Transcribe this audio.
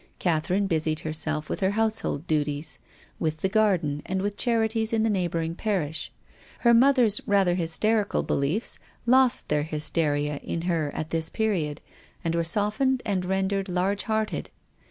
Catherine busied herself with her household duties, with the garden and with charities in the neighbouring Parish. Her mother's rather hyster ical beliefs lost their hysteria in her, at this period, and were softened and rendered large hearted.